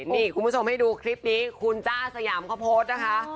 นี่คุณผู้ชมให้ดูคลิปนี้คุณจ้าสยามเขาโพสต์นะคะ